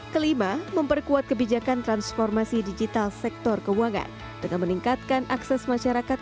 kelima memperkuat kebijakan transformasi digital sektor keuangan dengan meningkatkan akses masyarakat